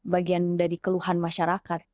bagian dari keluhan masyarakat